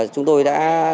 chúng tôi đã cung cấp số